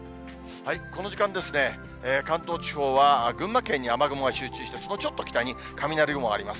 この時間ですね、関東地方は群馬県に雨雲が集中して、そのちょっと北に雷雲があります。